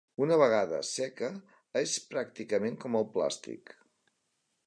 Una vegada seca és pràcticament com el plàstic.